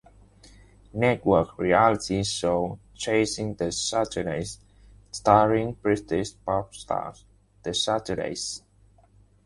Network reality show "Chasing The Saturdays", starring British popstars The Saturdays.